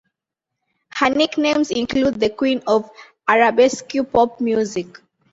Her nicknames include the "Queen of Arabesque-pop music".